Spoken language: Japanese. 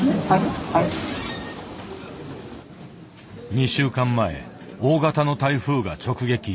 ２週間前大型の台風が直撃。